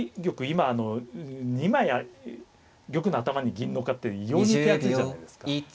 今２枚玉の頭に銀のっかって異様に手厚いじゃないですか。